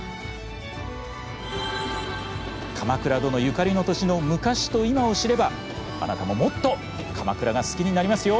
「鎌倉殿」ゆかりの土地の昔と今を知ればあなたももっと鎌倉が好きになりますよ！